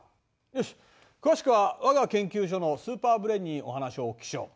よし詳しくはわが研究所のスーパーブレーンにお話をお聞きしよう。